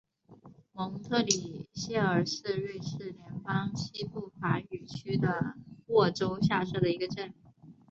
蒙特里谢尔是瑞士联邦西部法语区的沃州下设的一个镇。